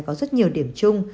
có rất nhiều điểm chung